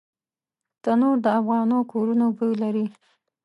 تنور د افغانو کورونو بوی لري